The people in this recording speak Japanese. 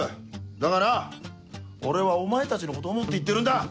だがな俺はお前たちのことを思って言ってるんだ！